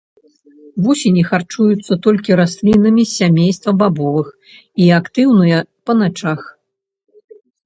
Вусені харчуюцца толькі раслінамі з сямейства бабовых і актыўныя па начах.